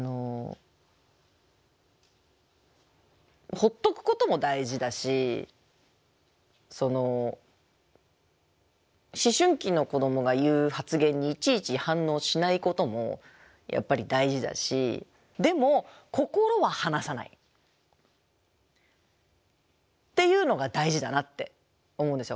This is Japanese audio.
ほっとくことも大事だし思春期の子どもが言う発言にいちいち反応しないこともやっぱり大事だしでも心は離さないっていうのが大事だなって思うんですよ。